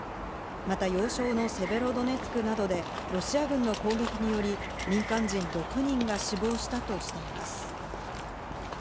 また要衝のセベロドネツクなどでロシア軍の攻撃により民間人６人が死亡したとしています。